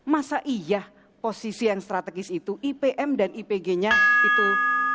masa iya posisi yang strategis itu ipm dan ipg nya itu